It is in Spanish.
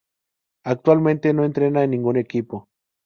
Actualmente no entrena en ningún equipo.